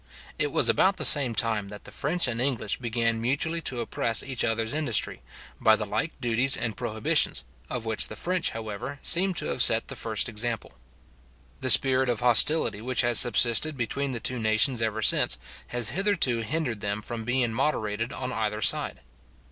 It was about the same time that the French and English began mutually to oppress each other's industry, by the like duties and prohibitions, of which the French, however, seem to have set the first example, The spirit of hostility which has subsisted between the two nations ever since, has hitherto hindered them from being moderated on either side.